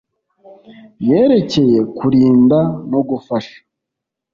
yerekeye kurinda no gufasha